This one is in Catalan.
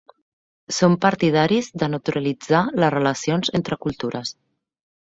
Som partidaris de naturalitzar les relacions entre cultures.